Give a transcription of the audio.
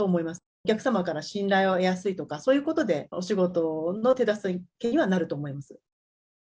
お客様から信頼を得やすいとか、そういうことで、お仕事の手助けにはなると思います。